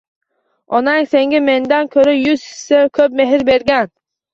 Onang senga mendan ko’ra yuz hissa ko’p mehr bergan!